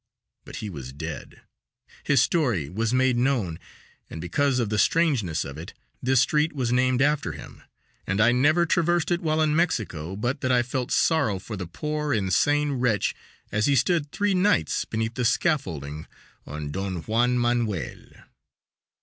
But he was dead. His story was made known, and because of the strangeness of it, this street was named after him, and I never traversed it while in Mexico but that I felt sorrow for the poor insane wretch as he stood three nights beneath the scaffolding on Don Juan Manuel.